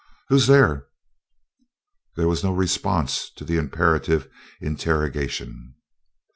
"Who's there?" There was no response to the imperative interrogation.